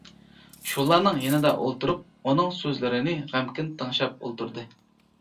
شۇلارنىڭ يېنىدا ئولتۇرۇپ، ئۇنىڭ سۆزلىرىنى غەمكىن تىڭشاپ ئولتۇردى.